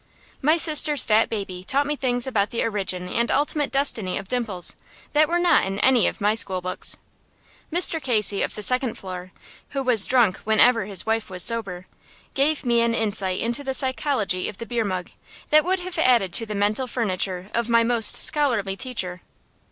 My sister's fat baby taught me things about the origin and ultimate destiny of dimples that were not in any of my school books. Mr. Casey, of the second floor, who was drunk whenever his wife was sober, gave me an insight into the psychology of the beer mug that would have added to the mental furniture of my most scholarly teacher.